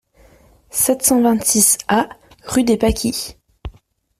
sept cent vingt-six A rue des Pâquis